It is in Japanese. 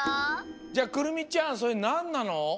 じゃあくるみちゃんそれなんなの？